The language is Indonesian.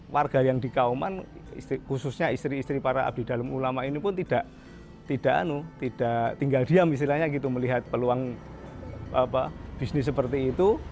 warga yang di kauman khususnya istri istri para abdi dalam ulama ini pun tidak tinggal diam istilahnya gitu melihat peluang bisnis seperti itu